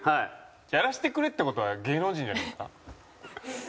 やらせてくれって事は芸能人じゃないですか？